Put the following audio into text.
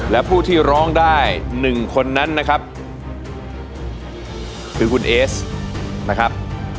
และผู้ที่ร้องได้๑คนนั้นนะครับคือคุณเอสนะครับ